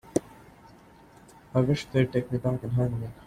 I wish they'd take me back and hang me.